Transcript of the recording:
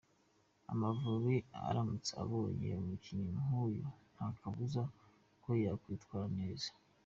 Amavubi aramutse abonye umukinnyi nk’uyu nta kabuza ko yakwitwara neza.